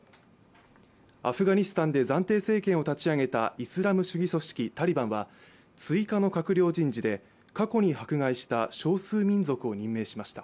アフガニスタンで暫定政権を立ち上げたイスラム主義組織タリバンは追加の閣僚人事で過去に迫害した少数民族を任命しました。